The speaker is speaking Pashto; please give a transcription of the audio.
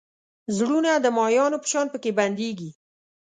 زړونه د ماهیانو په شان پکې بندېږي.